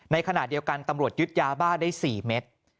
ในขณะเดียวกันตำรวจยึดยาบ้าได้๔เม็ด